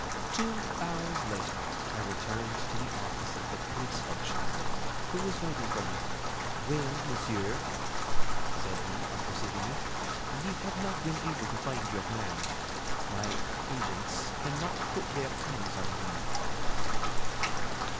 Two hours later I returned to the office of the police functionary, who was waiting for me. "Well, Monsieur," said he, on perceiving me, "we have not been able to find your man. My agents cannot put their hands on him."